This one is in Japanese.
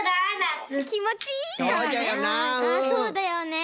そうだよね。